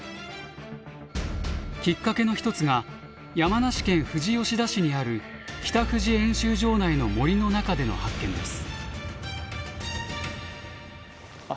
きっかけの一つが山梨県富士吉田市にある北富士演習場内の森の中での発見です。